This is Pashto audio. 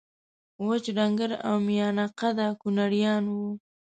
وچ ډنګر او میانه قده کونړیان وو